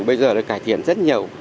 bây giờ đã cải thiện rất nhiều